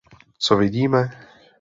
Co vidíme?